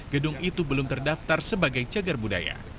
gedung itu belum terdaftar sebagai cagar budaya